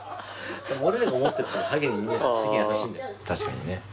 確かにね。